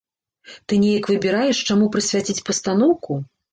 Ты неяк выбіраеш, чаму прысвяціць пастаноўку?